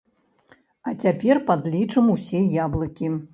А цяпер падлічым усе яблыкі!